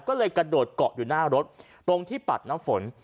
ก็เลยกระโดดเกาะอยู่หน้ารถตรงที่ปัดน้ำฝน